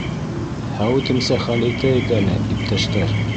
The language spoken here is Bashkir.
- Һәүетемсә хәл итәйек әле, иптәштәр!